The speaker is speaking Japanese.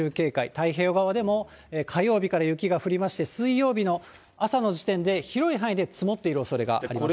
太平洋側でも火曜日から雪が降りまして、水曜日の朝の時点で広い範囲で積もっているおそれがあります。